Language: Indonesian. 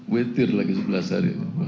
wetir lagi sebelas hari